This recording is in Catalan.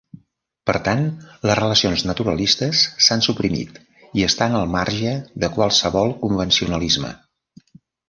Per tant, les relacions naturalistes s'han suprimit i estan al marge de qualsevol convencionalisme.